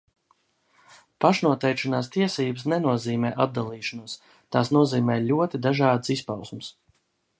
Pašnoteikšanās tiesības nenozīmē atdalīšanos, tās nozīmē ļoti dažādas izpausmes.